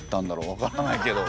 分からないけど。